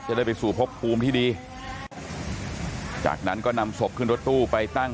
ได้ไปสู่พบภูมิที่ดีจากนั้นก็นำศพขึ้นรถตู้ไปตั้ง